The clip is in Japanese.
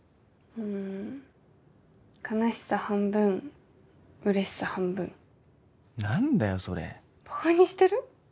うん悲しさ半分嬉しさ半分何だよそれバカにしてる？